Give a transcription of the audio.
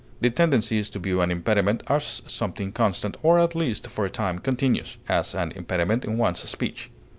The tendency is to view an impediment as something constant or, at least for a time, continuous; as, an impediment in one's speech.